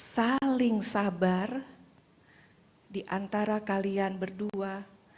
saling sabar diantara kalian berdua